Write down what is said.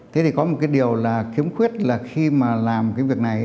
thế thì có một cái điều kiếm khuyết là khi mà làm cái việc này